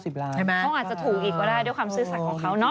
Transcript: เขาอาจจะถูกอีกก็ได้ด้วยความซื่อสัตว์ของเขาเนาะ